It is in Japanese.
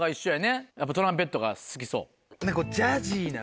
やっぱトランペットが好きそう？